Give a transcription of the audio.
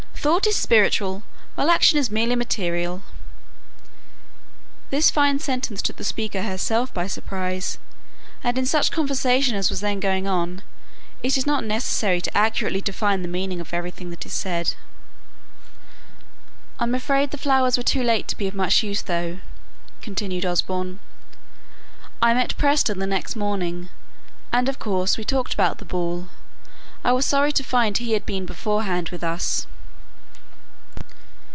"Thought is spiritual, while action is merely material." This fine sentence took the speaker herself by surprise; and in such conversation as was then going on, it is not necessary to accurately define the meaning of everything that is said. "I'm afraid the flowers were too late to be of much use, though," continued Osborne. "I met Preston the next morning, and of course we talked about the ball. I was sorry to find he had been beforehand with us."